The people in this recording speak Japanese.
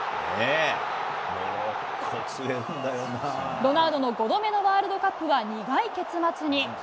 ロナウドの５度目のワールドカップは、苦い結末に。